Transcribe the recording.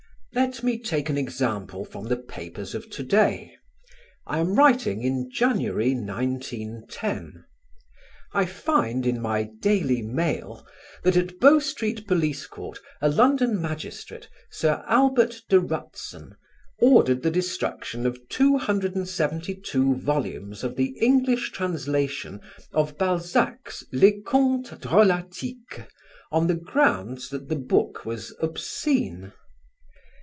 Let me take an example from the papers of to day I am writing in January, 1910. I find in my Daily Mail that at Bow Street police court a London magistrate, Sir Albert de Rutzen, ordered the destruction of 272 volumes of the English translation of Balzac's "Les Contes Drolatiques" on the ground that the book was obscene.